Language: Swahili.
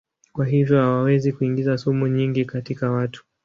Kwa hivyo hawawezi kuingiza sumu nyingi katika watu.